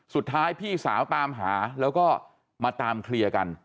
พี่สาวตามหาแล้วก็มาตามเคลียร์กัน